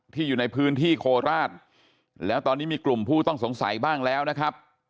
อยู่ในพื้นที่โคราชแล้วตอนนี้มีกลุ่มผู้ต้องสงสัยบ้างแล้วนะครับ